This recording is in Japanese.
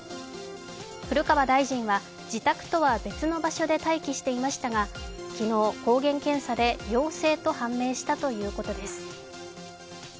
古川大臣は自宅とは別の場所で待機していましたが昨日、抗原検査で陽性と判明したということです。